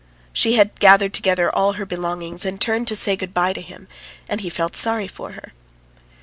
She had gathered together all her belongings, and turned to say good bye to him, and he felt sorry for her.